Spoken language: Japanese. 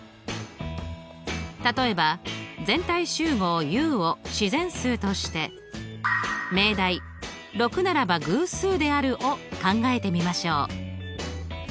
例えば全体集合Ｕを自然数として命題「６ならば偶数である」を考えてみましょう。